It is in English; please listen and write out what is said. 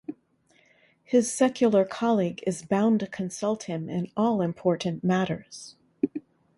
His secular colleague is bound to consult him in all important matters.